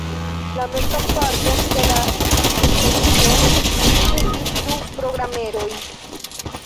La mezan parton de la simpozio okupis du programeroj.